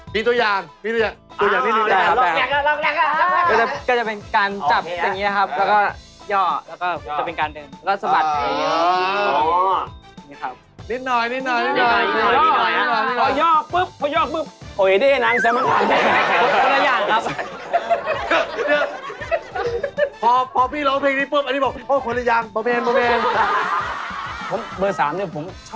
มีตัวอย่างตัวอย่างนิดบุ๊ต